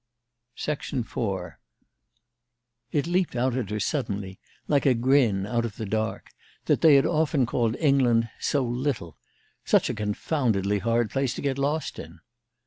IV It leaped out at her suddenly, like a grin out of the dark, that they had often called England so little "such a confoundedly hard place to get lost in."